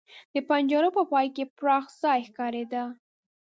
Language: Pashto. د پنجرو په پای کې پراخ ځای ښکارېده.